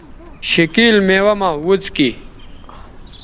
شِکِیل میوہ مہ وڅکیئ